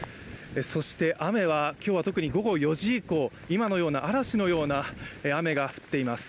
そして、雨は今日は特に午後４時以降、今のような嵐のような雨が降っています。